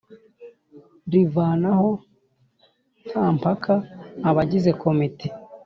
rivanaho nta mpaka abagize Komite